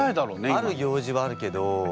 ある行事はあるけど。